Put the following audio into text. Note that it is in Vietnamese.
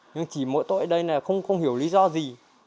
nhưng chỉ mỗi tội ở đây là không hiểu lý do gì